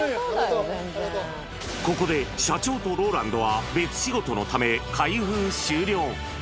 ここで社長とＲＯＬＡＮＤは別仕事のため、開封終了。